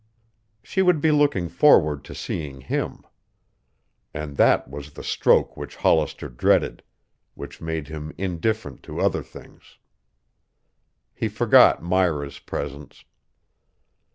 She would be looking forward to seeing him. And that was the stroke which Hollister dreaded, which made him indifferent to other things. He forgot Myra's presence.